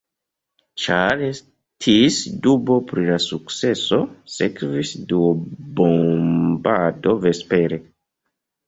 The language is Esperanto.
Ĉar estis dubo pri la sukceso, sekvis dua bombado vespere.